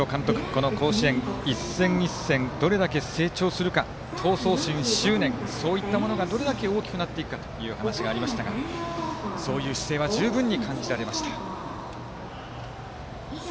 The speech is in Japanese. この甲子園一戦一戦どれだけ成長するか闘争心、執念そういったものがどれだけ大きくなっていくかという話がありましたがそういう姿勢は十分に感じられました。